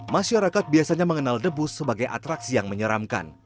masyarakat biasanya mengenal debu sebagai atraksi yang menyeramkan